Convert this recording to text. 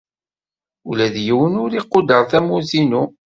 Ula d yiwen ur iquder tamurt-inu.